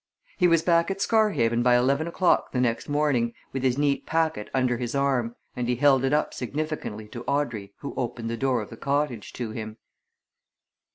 He was back at Scarhaven by eleven o'clock the next morning, with his neat packet under his arm and he held it up significantly to Audrey who opened the door of the cottage to him.